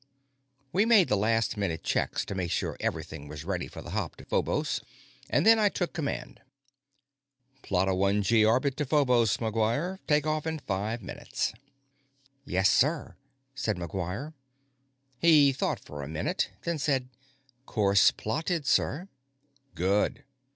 We made the last minute checks to make sure everything was ready for the hop to Phobos, and then I took command. "Plot a one gee orbit to Phobos, McGuire. Take off in five minutes." "Yes, sir," said McGuire. He thought for a minute, then said: "Course plotted, sir." "Good."